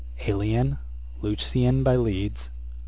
'Ælian. } 'Lucian by Leeds.